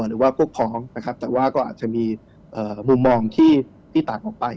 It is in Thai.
หรือว่ากลุกพ้องแต่ก็อาจจะมีมุมมองที่ต่างออกไป